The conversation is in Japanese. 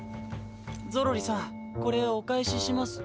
ゾロリさんこれお返しします。